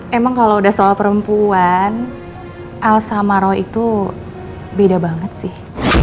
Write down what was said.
ya emang kalau udah soal perempuan al sama roy itu beda banget sih